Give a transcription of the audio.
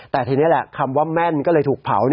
แต่ทีนี้แหละคำว่าแม่นก็เลยถูกเผา